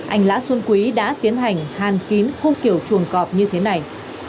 anh lã xuân quý đã tiến hành hàn kín khung kiểu chuồng cọp như thế này